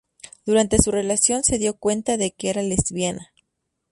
Durante su relación, se dio cuenta de que era lesbiana.